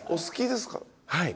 はい。